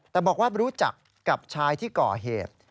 แต่บอกว่ารู้จักกับชายที่ก่อเหตุ